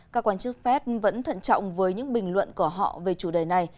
các quan chức fed vẫn thận trọng với những bình luận của họ về chủ đề này